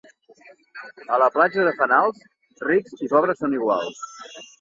A la Platja de Fanals, rics i pobres són iguals.